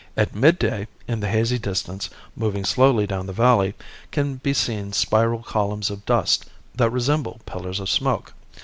At midday in the hazy distance, moving slowly down the valley, can be seen spiral columns of dust that resemble pillars of smoke.